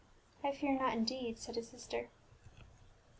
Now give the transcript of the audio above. "I fear not indeed," said his sister.